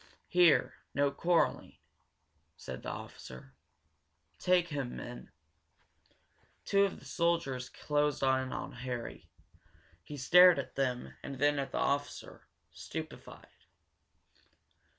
"Here, no quarreling!" said the officer. "Take him, men!" Two of the soldiers closed in on Harry. He stared at them and then at the officer, stupefied.